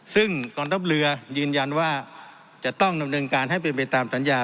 ซึ่งกองทัพเรือยืนยันว่าจะต้องดำเนินการให้เป็นไปตามสัญญา